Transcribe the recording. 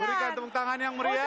berikan tepuk tangan yang meriah